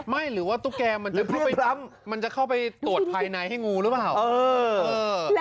หรือว่าตุ๊กแกมันจะซ้ำมันจะเข้าไปตรวจภายในให้งูหรือเปล่า